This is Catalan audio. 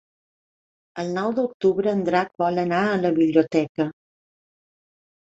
El nou d'octubre en Drac vol anar a la biblioteca.